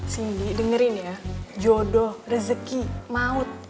sindi dengerin ya jodoh rezeki maut